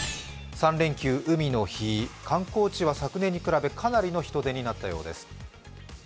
３連休海の日、観光地は昨年に比べかなりの人出になったようです。